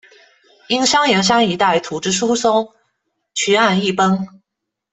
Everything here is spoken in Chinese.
因商颜山一带土质松疏，渠岸易崩。